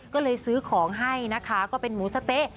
ก็เลยซื้อของให้นะคะก็เป็นหมูสะเต๊ะ